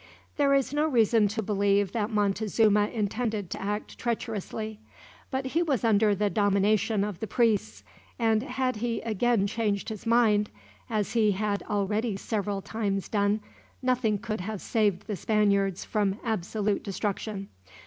There is no reason to believe that Montezuma intended to act treacherously. But he was under the domination of the priests, and had he again changed his mind, as he had already several times done, nothing could have saved the Spaniards from absolute destruction.